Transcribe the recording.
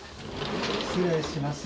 失礼します。